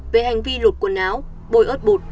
về hành vi lột quần áo bôi ớt bột